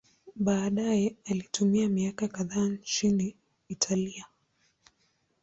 Baadaye alitumia miaka kadhaa nchini Italia.